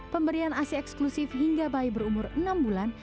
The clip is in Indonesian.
pemberian ac eksklusif hingga bayi berumur enam bulan